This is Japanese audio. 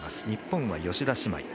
日本は吉田姉妹。